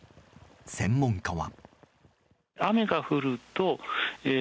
専門家は。